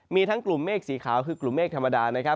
มีทั้งกลุ่มเมฆสีขาวคือกลุ่มเมฆธรรมดานะครับ